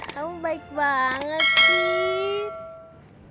kamu baik banget sih